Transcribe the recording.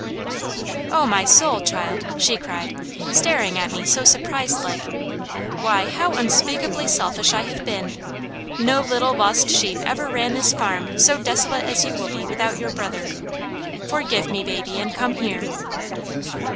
"Oh my soul, child!" she cried, staring at me so surprised like. "Why, how unspeakably selfish I have been! No little lost sheep ever ran this farm so desolate as you will be without your brother. Forgive me baby, and come here!"